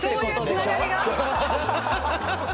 そういうつながりが。